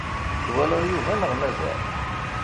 Twalaḍ Yuba neɣ mazal?